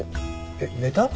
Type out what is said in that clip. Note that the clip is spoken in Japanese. えっ？ネタ！？